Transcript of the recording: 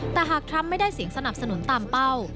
แต่หากทรัมป์ไม่ได้เสียงสนับสนุนตามเป้า